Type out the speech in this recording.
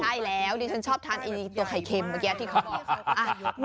ใช่แล้วดิฉันชอบทานตัวไข่เค็มเมื่อกี้ที่เขาบอก